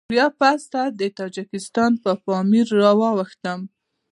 بيا پسته د تاجکستان په پامير راواوښتم.